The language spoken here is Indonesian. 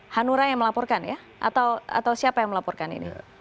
hanura yang melaporkan ya atau siapa yang melaporkan ini